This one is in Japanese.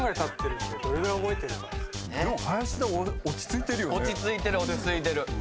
落ち着いてる。